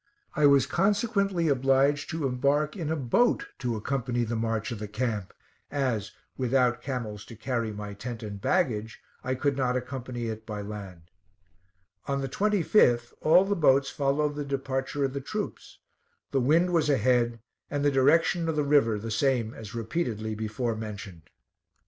I was consequently obliged to embark in a boat to accompany the march of the camp as, without camels to carry my tent and baggage, I could not accompany it by land. On the 25th, all the boats followed the departure of the troops; the wind was ahead, and the direction of the river the same as repeatedly before mentioned.